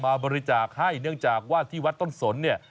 บริจาคให้เนื่องจากว่าที่วัดต้นสนเนี่ย